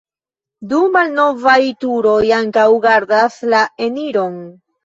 Du malnovaj turoj ankaŭ gardas la eniron.